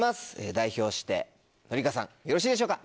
代表して紀香さんよろしいでしょうか？